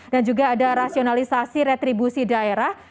dan juga ada rasionalisasi retribusi daerah